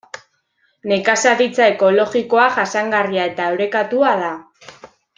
Nekazaritza ekologikoa jasangarria eta orekatua da.